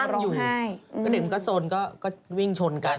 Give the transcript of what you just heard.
เขานั่งอยู่กระดึ่งกระสนก็วิ่งชนกัน